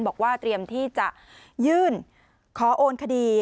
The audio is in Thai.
บอกว่าเตรียมที่จะยื่นขอโอนคดี